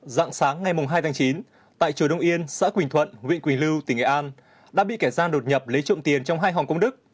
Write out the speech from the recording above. dạng sáng ngày hai tháng chín tại chùa đông yên xã quỳnh thuận huyện quỳnh lưu tỉnh nghệ an đã bị kẻ gian đột nhập lấy trộm tiền trong hai hòn công đức